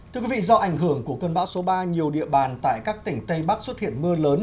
thưa quý vị do ảnh hưởng của cơn bão số ba nhiều địa bàn tại các tỉnh tây bắc xuất hiện mưa lớn